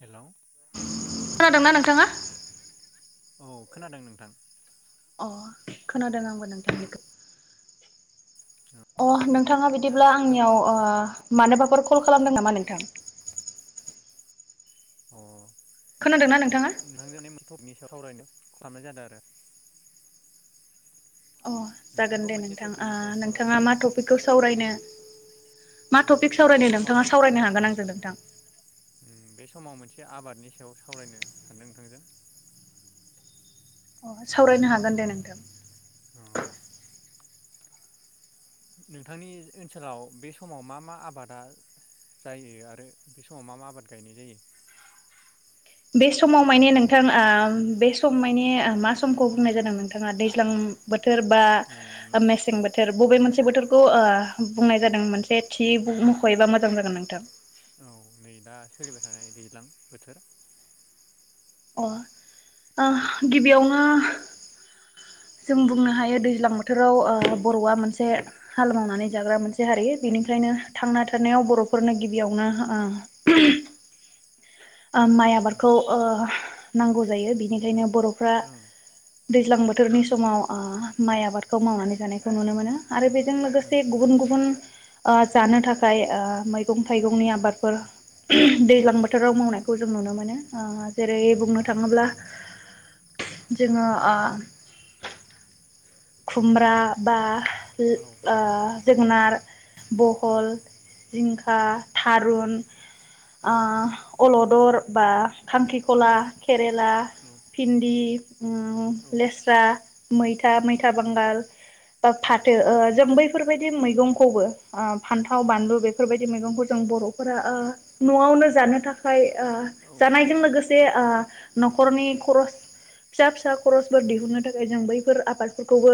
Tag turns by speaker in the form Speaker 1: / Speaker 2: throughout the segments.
Speaker 1: हेल
Speaker 2: खोनादोंना नोंथाङा?
Speaker 1: औ खोनादों नोंथां
Speaker 2: अ खोनादों आंबो नोंथांनिखौ अ नोंथाङा बिदिब्ला
Speaker 1: फ्रि दंबा
Speaker 2: आंनियाव ओ
Speaker 1: मोनसे
Speaker 2: मानोबाफोर कल खालामदों नामा नोंथां?
Speaker 1: अ [unintelligible]
Speaker 2: खोनादोंना नोंथाङा?
Speaker 1: टपिकनि सायाव खावरायनो खालामनाय जादो आरो
Speaker 2: अ जागोन
Speaker 1: नोंथांखौ
Speaker 2: दे
Speaker 1: मोनसे
Speaker 2: नोंथां ओ
Speaker 1: टपिकनि सायाव सावरायनो
Speaker 2: नोंथाङा मा टपिकखौ सावरायनो मा
Speaker 1: उम
Speaker 2: टपिक
Speaker 1: बे
Speaker 2: सावरायनो
Speaker 1: समाव
Speaker 2: नोंथाङा सावरायनो हागोन आंजों नोंथां
Speaker 1: उम बे समाव मोनसे आबादनि सायाव सावरायनो सानदों नोंथांजों
Speaker 2: अ सावरायनो हागोन दे नोंथां
Speaker 1: अ नोंथांनि ओनसोलाव बे समाव मा मा आबादा जायो आरो बे समाव मा मा आबाद गायनाय जायो?
Speaker 2: बे समाव माने नोंथां ओ बे सम माने मा समखौ बुंनाय जादों नोंथाङा दैज्लां बो थोर बा
Speaker 1: ओं
Speaker 2: मेसें बोथोर बबे मोनसे बोथोरखौ-ओ बुंनाय जादों मोनसे थि मख एबा मोजां जागोन नोंथां।
Speaker 1: औ नै दा सोलिबाय थानाय दैलां बोथोर।
Speaker 2: अ [inaudible] गिबियावनो जों बुंनो हायो दैज्लां बोथोराव ओ बरआ मोनसे हाल मावनानै जाग्रा मोनसे हारि बेनिफ्रायनो थांना थानायाव बरफोरनो गिबियावनो माइ
Speaker 1: ओं
Speaker 2: आबादखौ ओ नांगौ जायो बिनिखायनो बरफ्रा
Speaker 1: ओं
Speaker 2: दैज्लां बो बोथोरनि समाव आ माइ आबादखौ मावनानै जानायखौ नुनो मोनो। आरो बेजों
Speaker 1: ओं
Speaker 2: लोगोसे गुबुन गुबुन आ जानो थाखाय आ मैगं थाइगंनि आबादफोर [inaudible] दैज्लां बोथोराव मावनाय। नुनो मोन
Speaker 1: ओं
Speaker 2: जेरै बुंनो
Speaker 1: ओं
Speaker 2: थाङोब्ला जोङो खुमब्रा बा
Speaker 1: औ
Speaker 2: [unintelligible] जोगोनार।
Speaker 1: औ
Speaker 2: बहल। जिंखा थारुन।
Speaker 1: औ
Speaker 2: आ अलदर बा खांखिखला
Speaker 1: औ
Speaker 2: केरेला
Speaker 1: औ
Speaker 2: फिन्दि
Speaker 1: औ
Speaker 2: लेस्रा मैथा मैथा फा बांगाल बा फाथो ओ जों बैफोरबायदि मैगंखौबो ओ फान्थाव बानलु बेफोरबायदि मैगंखौ जों बरफोरा ओ नआवनो जानो थाखाय आ जानायजों लोगोसे आ नखरनि खरस फिसा फिसा खरसफोर दिहुननो थाखाय जों बैफोर आबाद फोरखौबो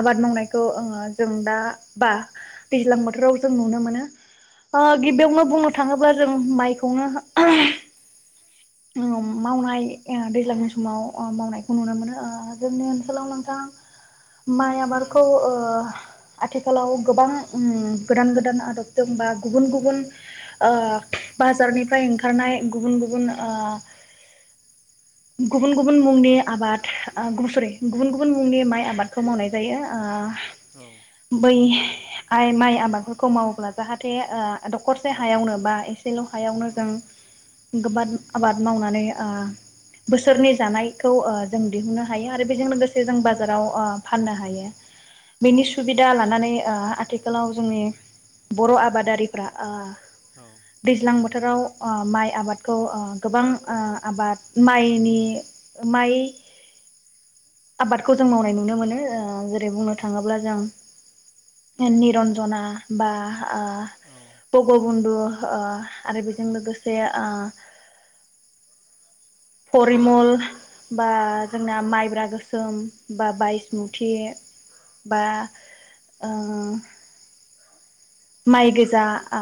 Speaker 2: आबाद मावनायखौ आ जों दा बा दैज्लां बोथोराव जों नुनो मोनो गिबियावनो बुंनो थाङोब्ला जों माइखौनो मावनाय दैज्लांनि समाव मावनायखौ नुनो मोनो आ जोंनि ओनसोलाव नोंथां माइ आबारखौ ओह आथिखालाव गोबां गोदान गोदान आदबदों बा गुबुन गुबुन ओ बाजारनिफ्राय खारनाय गुबुन गुबुन आ गुबुन गुबुन मुंनि आबाद [unintelligible] गुबुन गुबुन मुंनि माइ आबादखौ मावनाय जायो आ बै आइ माइ आबादफोरखौ मावोब्ला जाहाथे आ दखरसे हायावनो बा एस सेल हायावनो जों
Speaker 1: ओं
Speaker 2: [unintelligible] आबाद मावनानै आ
Speaker 1: ओं औ
Speaker 2: बोसोरनि जानायखौ आ जों दिहुननो हायो आरो बेजों लोगोसे जों बाजाराव आ फाननो हायो बेनि
Speaker 1: औ
Speaker 2: सुबिदा लानानै आ आथिखालाव जोंनि बर आबादारिफ्रा आ दैज्लां बो थोराव आ माइ आबादखौ आ गोबां आ आबाद माइनि माइ आबादखौ जों मावनाय नुनो मोनो ओ जेरै बुंनो थाङोब्ला जों
Speaker 1: औ
Speaker 2: निरन्जना बा आ बगबन्दु ओ आरो बेजों लोगोसे आ फरिमल बा जोंना माइब्रा गोस सोम बा बायसमुथि
Speaker 1: औ
Speaker 2: बा ओ माइ गोजा आ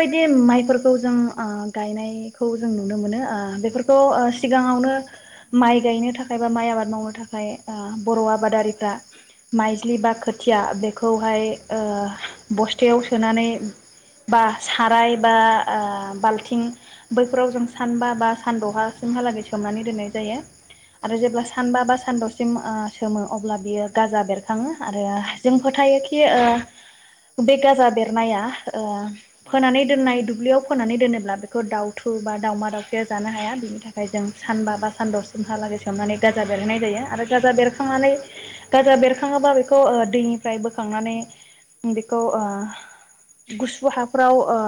Speaker 1: औ
Speaker 2: माइफोर खौ जों ओ गायनायखौ जों नुनो मोनो ओ बेफोर थ सिगाङावनो
Speaker 1: औ
Speaker 2: माइ गायनो थाखाय बा माइ आबाद मावनो थाखाय ओ बर'
Speaker 1: औ
Speaker 2: आबादारिफ्रा
Speaker 1: औ
Speaker 2: माइज्लि बा खोथिया बेखौहाय ओ बस थायाव सोनानै
Speaker 1: औ
Speaker 2: बा साराय बा आ बाल्थिं बैफोराव जों सानबा बा सानदहासिमहालागै सोमनानै दोननाय जायो। आरो
Speaker 1: औ
Speaker 2: जेब्ला सानबा बा सानद सिम ओ सोमो अब्ला बियो गाजा बेरखाङो आरो जों
Speaker 1: औ
Speaker 2: फोथायोखि ओ बेगाजा बेरनाया ओ
Speaker 1: औ
Speaker 2: फोनानै दोननाय दुब्लियाव [unintelligible] दोनोब्ला बेखौ दाउथु बा दावमा दाउसाया जानो हाया बिनि था खाय जों सानबा बा सानद सिमहालागै सोमनानै गाजा बेरहैनाय जायो आरो गाजा बेरखांनानै गाजा बेरखाङाबा बेखौ ओ दैनिफ्राय बोखांनानै बे खौ आ गुसु हाफ्राव ओ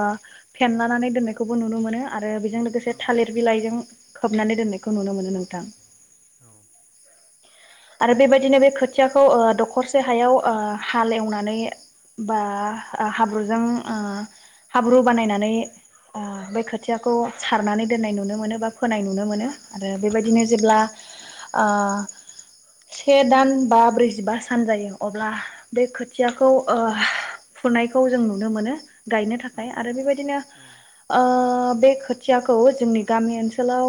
Speaker 2: फेनलानानै दोननायखौबो नुनो मोनो आ ओ बेजों लोगोसे थालिर बिलाइजों खोबनानै दोननायखौ नुनो मोनो नोंथां।
Speaker 1: औ
Speaker 2: आरो बेबायदिनो बे खोथियाखौ ओ दखरसे हायाव ओ
Speaker 1: उम
Speaker 2: हाल एवनानै बा हाब्रुजों ओ हाब्रु बानायनानै ओ बे खोथियाखौ सारनानै दोननाय नुनो मोनो बा फोनाय नुनो मोनो। आरो
Speaker 1: औ
Speaker 2: बेबायदिनो जेब्ला आ से दान बा ब्रैजिबा सान जायो अब्ला बे खोथियाखौ ओ फुनायखौ जों नुनो मोनो गायनो
Speaker 1: औ
Speaker 2: थाखाय आरो बेबायदिनो आ बे खोथियाखौ जोंनि गामि ओनसोलाव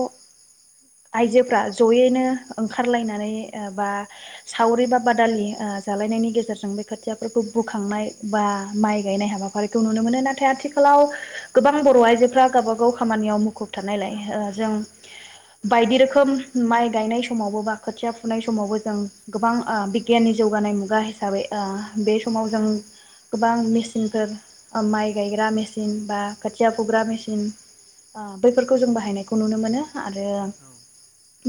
Speaker 2: आइजोफ्रा जयैनो ओंखारलायनानै बा सावरि बा बादालि ओ जालायनायनि गेजेरजों बे खोथियाफोरखौ बोखांनाय बा माइ गायनाय हाबाफारिखौ नुनो मोनो। नाथाय आथिखालाव गोबां बर' आइजोफ्रा गावबा गाव गौ खामानियाव मुखुब थानायलाय ओ जों बायदि रोखोम माइ गायनाय समावबो बा खोथिया फुनाय समावबो जों गोबां ओ बिगियाननि जौगानाय मुगा हिसाबै ओ बे समाव जों गोबां मेसिनफोर ओ माइ गायग्रा मेसिन बा खोथिया फुग्रा मेसिन ओ बैफोरखौ जों बाहायनायखौ नुनो मोनो। आरो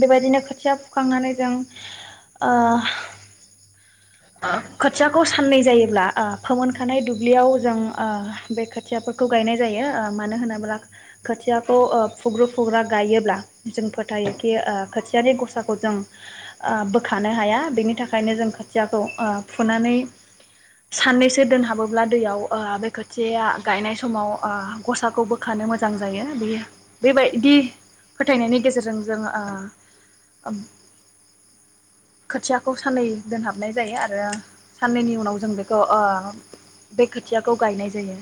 Speaker 2: बेबायदिनो खोथिया फुखांनानै जों ओ खोथियाखौ साननै जायोब्ला ओ फोमोनखानाय दुब्लियाव जों ओ बे खोथियाफोरखौ गायनाय जायो ओ मानो होनोब्ला खोथिया खौ फुग्रो फुग्रा गायोब्ला जों फोथायोखि ओ खोथियानि गसाखौ जों ओ बोखानो हाया बेनि थाखायनो जों खोथियाखौ ओ फुनानै साननैसो दोनहाबोब्ला दैयाव ओ बे खोथिया गायनाय समाव ओ गसाखौ बोखानो मोजां जायो। बेयो बेबायदि फोथायनायनि गेजेरजों जों ओ ओब खोथियाखौ साननै दोनहाबनाय जायो आरो साननैनि उनाव जों बेखौ ओ बे खोथियाखौ गायनाय जायो।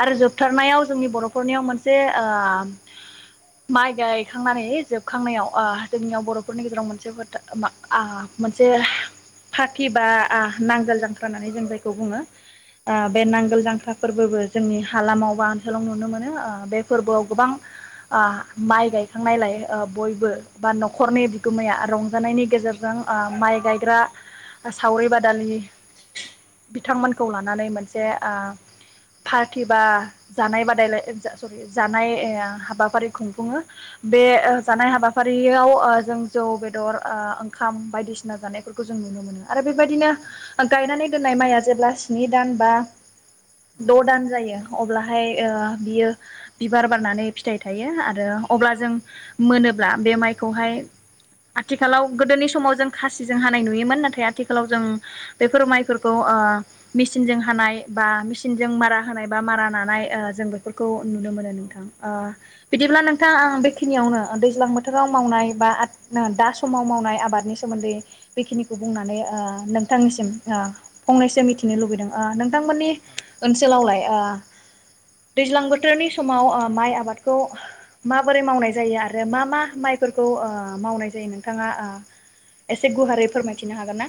Speaker 2: आरो जोबथारनायाव जोंनि बर' नखरनियाव मोनसे ओ माइ गायखांनानै जोबखांनायाव ओ जोंनियाव बर'फोरनि गेजेराव मोनसे फोथाय मा आ मोनसे फाखि बा आ नांगोल जांख्रा होननानै जों जायखौ बुङो। आ
Speaker 1: औ
Speaker 2: बे नांगोल जांख्रा फोरबोबो जोंनि हालामाव बा ओनसोलाव नुनो मोनो। ओ बे
Speaker 1: ओं
Speaker 2: फोरबोआव गोबां आ माइ गायखांनायलाय ओ बयबो बा
Speaker 1: रंजानायनि गेजेरजों ओ माइ गायग्रा बे ओ जानाय हाबाफारियाव ओ जों जौ बेदर ओ ओंखाम बायदिसिना जायो आरो बेबायदिनो द' दान जायो अब्लाथाय ओ बियो बिबार बारनानै फिथाइ थायो आरो अब्ला जों
Speaker 2: नखरनि बिगोमाया रंजानायनि गेजेरजों ओ माइ गायग्रा सावरि बादालि बिथांमोनखौ लानानै मोनसे ओ पार्टि बा जानाय बादायलाय सरि जानाय हाबाफारि खुंफुङो। बे ओ जानाय हाबा हाफारियाव ओ जों जौ बेदर ओ ओंखाम बायदिसिना जानायफोरखौ जों नुनो मोनो आरो बेबायदिनो गायनानै दोननाय माइआ जेब्ला स्नि दान बा द दान जायो। अब्लाहाय ओ बियो बिबार बारनानै फिथाइ थायो आरो अब्ला जों मोनोब्ला बे माइखौहाय आथिखालाव गोदोनि समाव जों खासिजों हानाय नाय नुयोमोन नाथाय आथिखालाव जों बेफोर माइफोरखौ ओ मेचनजों हानाय बा मेसिनजों मारा होनाय बा मारा नानाय जों बेफोरखौ नुनो मोनो
Speaker 1: औ
Speaker 2: नोंथां। आ बिदिब्ला नोंथां आं बेखिनियावनो दैज्लां बोथोराव मावनाय बा दा समाव मावनाय आबादनि सोमोन्दै बेखिनिखौ बुंनानै ओ नोंथांनिसिम ओ फंनैसो मिथिनो लुबैदों ओ नों नोंथांमोननि ओनसोलावलाय दैज्लां बोथोरनि समाव ओ माइ आबादखौ माबोरै मावनाय जायो आरो मा मा माइफोरखौ ओ मावनाय जायो नोंथाङा ओ एसे गुवारै फोरमायथिनो हागोन ना?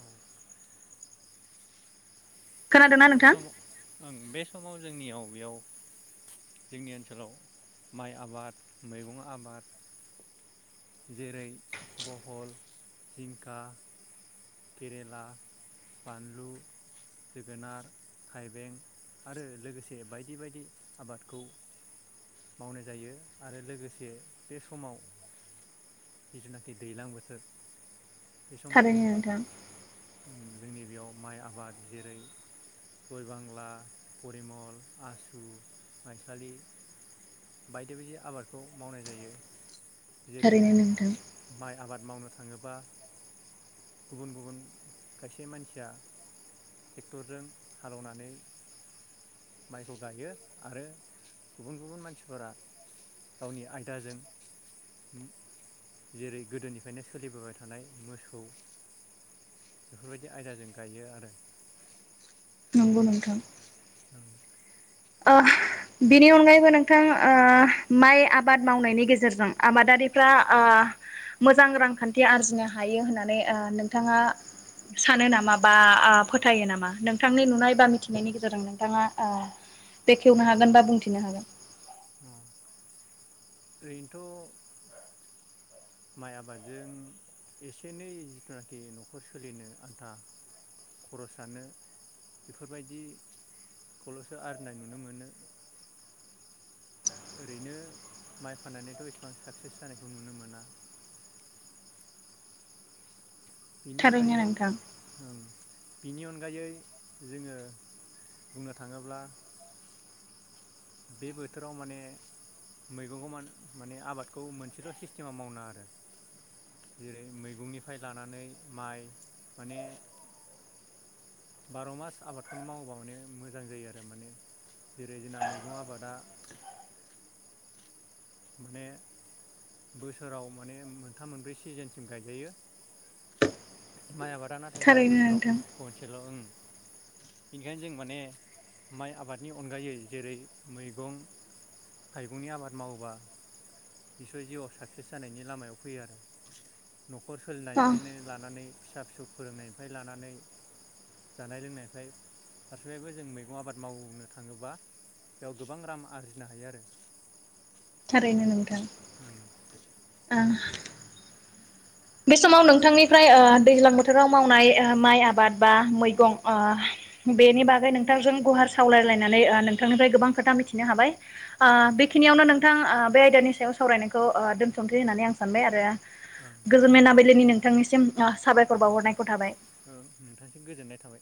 Speaker 1: औ
Speaker 2: खोनादोंना
Speaker 1: बे
Speaker 2: नोंथां?
Speaker 1: समाव ओं बे समाव जोंनियाव बेयाव जोंनि ओनसोलाव माइ आबाद मैगं आबाद जेरै बहल, जिंखा केरेला, बानलु, जोगोनार, थाइबें आरो लोगोसे बायदि बायदि आबादखौ मावनाय जायो आरो लोगोसे बे समाव जिथुनाखि दैज्लां बोथोर बे समाव
Speaker 2: थारैनो नोंथां
Speaker 1: जोंनि बेयाव माइ आबाद जेरै जय बांला परिमल आसु माइसालि बायदि बायदि आबादखौ मावनाय जायो। जेरै
Speaker 2: थारैनो नोंथां
Speaker 1: माइ आबाद मावनो थाङोबा गुबुन गुबुन खायसे मानसिया ट्रेक्टरजों हालेवनानै माइखौ गायो आरो गुबुन गुबुन मानसिफोरा गावनि आयदाजों जेरै गोदोनिफ्रायनो सोलिबोबाय थानाय मोसौ बेफोरबायदि आयदाजों गायो आरो
Speaker 2: नंगौ नोंथां।
Speaker 1: ओं
Speaker 2: ओ बिनि अनगायैबो नोंथां ओ माइ आबाद मावनायनि गेजेरजों आबादारिफ्रा ओ मोजां रांखान्थि आरजिनो हायो होननानै ओ नोंथाङा सानो नामा बा ओ फोथायो नामा नोंथांनि नुनाय बा मिथिनायनि गेजेरजों नोंथाङा ओ बेखेवनो हागोन बा बुंथिनो हागोन।
Speaker 1: ओरैनोथ माइ आबादजों एसे एनै जिथुनाखि नखर सोलिनो आन्था खरस जानो बेफोरबायदिखौलसो आरजिनाय नुनो मोनो। ओरैनो माइ फान्नानैथ इसिबां साक्सेस जानायखौ नुनो मोना। बेनि
Speaker 2: थारैनो
Speaker 1: अनगायै
Speaker 2: नोंथां
Speaker 1: ओम बिनि अनगायै जोङो बुंनो थाङोब्ला। बे बोथोराव माने मैगंखौ मान माने आबादखौ मोनसेल सिस्टेमाव मावना आरो जेरै मैगंनिफ्राय लानानै माइ माने बार मास आबादखौनो मावोबा माने मोजां जायो आरो माने जेरै जोंना मैगं आबादा माने बोसोराव माने मोनथाम मोनब्रै सिजेनसिम गायजायो माइ आबाद दा नाथाय जोंना
Speaker 2: थारैनो
Speaker 1: बोसोराव
Speaker 2: नोंथां
Speaker 1: खनसेल ओं। बेनिखायनो जों माने माइ आबादनि अनगायै जेरै मैगं थाइगंनि आबाद मावोबा। निसय जिउआव साक्सेस जानायनि लामायाव फैयो आरो। नखर
Speaker 2: अ
Speaker 1: सोलिनायनिफ्रायनो लानानै। फिसा फिसौ फोरोंनायनिफ्राय लानानै जानाय लोंनायनिफ्राय फारसेनिफायबो जों मैगं आबाद मावनो थाङोबा बेयाव गोबां रां आरजिनो हायो आरो।
Speaker 2: थारैनो नोंथां।
Speaker 1: ओं
Speaker 2: ओं बे समाव नोंथांनिफ्राय ओ दैज्लां बोथोराव मावनाय ओ माइ आबाद बा मैगं ओ बेनि
Speaker 1: ओं
Speaker 2: बागै नोंथांजों गुवार सावरायलायनानै नोंथांनिफ्राय गोबां खोथा मिथिनो हाबाय। ओ
Speaker 1: ओं
Speaker 2: बेखिनियावनो नों थां ओ बे आयदानि सायाव सावरायनायखौ ओ दोनथनसै होननानै आं सानबाय आरो
Speaker 1: ओं
Speaker 2: गोजोन मेनाबिलिनि नोंथांनिसिम [unintelligible] साबायखर
Speaker 1: ओं
Speaker 2: बावहरनायखौ थाबाय।
Speaker 1: ओं नोंथांसिम गोजोननाय थाबाय